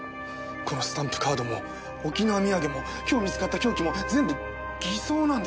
このスタンプカードも沖縄土産も今日見つかった凶器も全部偽装なんです！